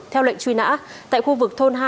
theo lệnh truy nã tại khu vực thôn hai